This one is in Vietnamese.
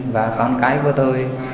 và con cái của tôi